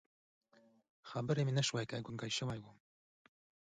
خبرې مې نه شوې کولی، ګونګی شوی وم.